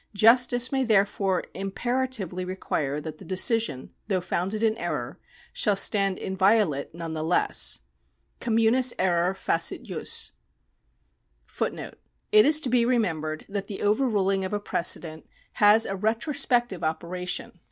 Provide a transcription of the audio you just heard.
Justice may therefore impera tively require that the decision, though founded in error, shall stand inviolate none the less. Communis error facit jus.^ 1 It is to be remembered that the overruHng of a precedent has a retrospec tive operation.